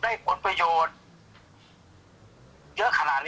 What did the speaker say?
แม่ยังคงมั่นใจและก็มีความหวังในการทำงานของเจ้าหน้าที่ตำรวจค่ะ